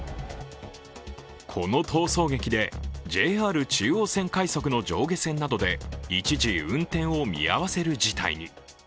この逃走劇でＪＲ中央線快速の上下線などで一時運転を見合わせる事態に。